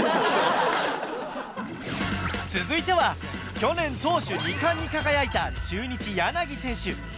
続いては去年投手二冠に輝いた中日・柳選手